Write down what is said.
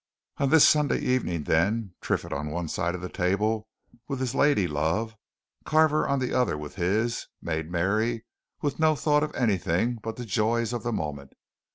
On this Sunday evening, then, Triffitt on one side of a table with his lady love, Carver on the other with his, made merry, with no thought of anything but the joys of the moment.